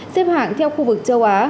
xếp hạng theo khu vực châu á